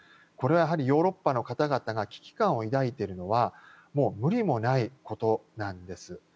これはヨーロッパの方々が危機感を抱いているのはもう無理もないことなんです。